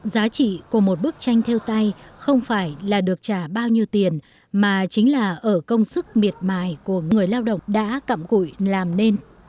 giá trị của một bức tranh theo tay không phải là được trả bao nhiêu tiền mà chính là ở công sức miệt mài của người lao động đã cặm cụi làm nên